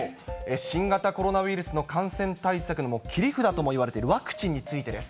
新型コロナウイルスの感染対策の切り札ともいわれている、ワクチンについてです。